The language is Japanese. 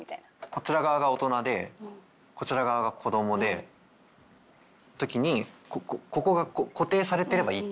こちら側が大人でこちら側が子どもでって時にここが固定されていればいいってことですかね。